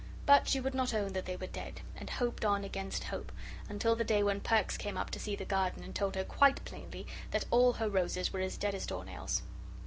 But she would not own that they were dead, and hoped on against hope, until the day when Perks came up to see the garden, and told her quite plainly that all her roses were as dead as doornails.